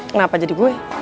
kenapa jadi gue